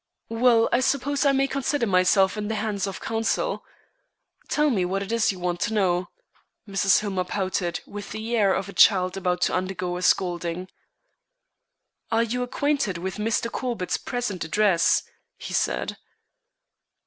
"Well, I suppose I may consider myself in the hands of counsel. Tell me what it is you want to know!" Mrs. Hillmer pouted, with the air of a child about to undergo a scolding. "Are you acquainted with Mr. Corbett's present address?" he said.